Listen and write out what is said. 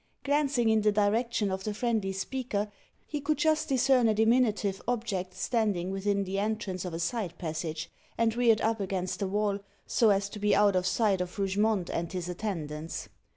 Glancing in the direction of the friendly speaker, he could just discern a diminutive object standing within the entrance of a side passage, and reared up against the wall so as to be out of sight of Rougemont and his attendants.